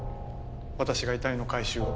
私が遺体の回収を。